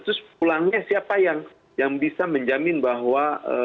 terus pulangnya siapa yang bisa menjamin bahwa